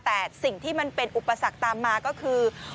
แต่สิ่งที่มันเป็นอุปสรรคตามมาก็คือ